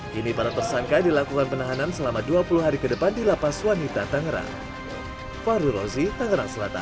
kini para tersangka dilakukan penahanan selama dua puluh hari ke depan di lapas wanita tangerang